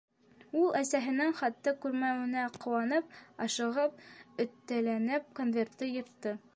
Ул, әсәһенең хатты күрмәүенә ҡыуанып, ашығып, өтәләнеп конвертты йыртты.